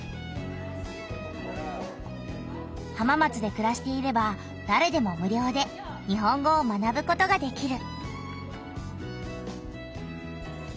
浜松でくらしていればだれでも無料で日本語を学ぶことができる。